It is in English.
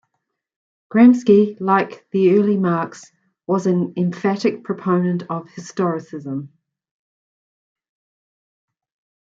Gramsci, like the early Marx, was an emphatic proponent of historicism.